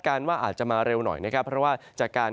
กับมือของฝนให้ไกล